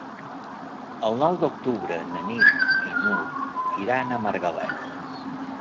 El nou d'octubre na Nit i n'Hug iran a Margalef.